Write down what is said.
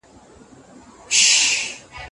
خو ته هر كله نه كوې په نه مي ژړوې